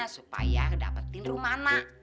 supaya dapetin rumana